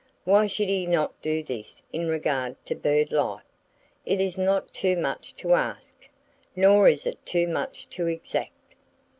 Why should he not do this in regard to bird life? It is not too much to ask, nor is it too much to exact.